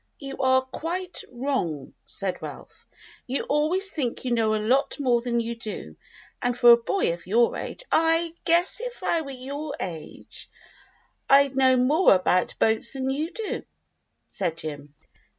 "You are quite wrong," said Ralph. "You always think you know a lot more than you do, and for a boy of your age —" "I guess if I were your age, I'd know more about boats than you do," said Jim.